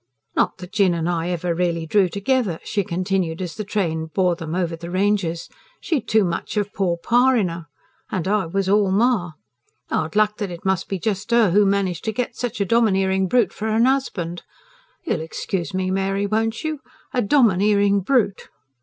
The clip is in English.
"Not that Jinn and I ever really drew together," she continued as the train bore them over the ranges. "She'd too much of poor pa in 'er. And I was all ma. Hard luck that it must just be her who managed to get such a domineering brute for a husband. You'll excuse me, Mary, won't you? a domineering brute!"